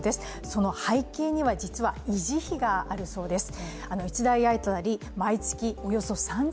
その背景には実は維持費があるそうです。